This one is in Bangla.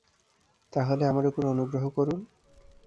তাহলে আমার উপর অনুগ্রহ করুন।